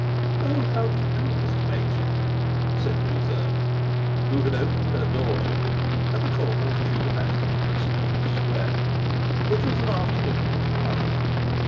"Oh! How do you do, Mr Machin?" said Ruth Earp, who had opened her door to him at the corner of Tudor Passage and St Luke's Square. It was an afternoon in July.